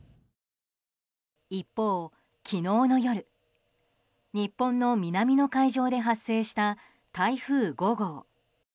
一方、昨日の夜日本の南の海上で発生した台風５号。